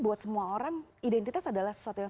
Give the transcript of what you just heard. buat semua orang identitas adalah sesuatu yang